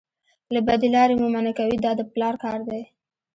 له بدې لارې مو منع کوي دا د پلار کار دی.